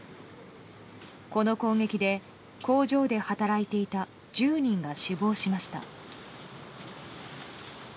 この攻撃で工場で働いていた１０人が死亡しました。